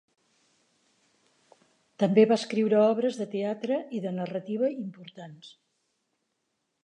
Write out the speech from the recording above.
També va escriure obres de teatre i de narrativa importants.